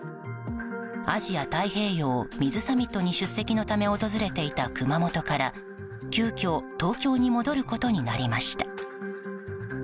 アジア・太平洋水サミットに出席のため訪れていた熊本から急遽、東京に戻ることになりました。